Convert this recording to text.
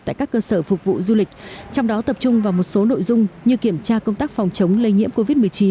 tại các cơ sở phục vụ du lịch trong đó tập trung vào một số nội dung như kiểm tra công tác phòng chống lây nhiễm covid một mươi chín